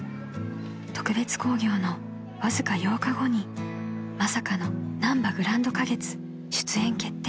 ［特別興行のわずか８日後にまさかのなんばグランド花月出演決定］